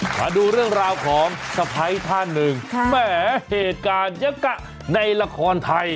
มาดูเรื่องราวของสะพ้ายท่านหนึ่งแหมเหตุการณ์ยกะในละครไทย